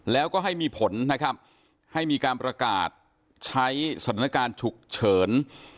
แล้วก็ให้มีผลนะครับให้มีการประกาศใช้สถานการณ์ฉุกเฉิน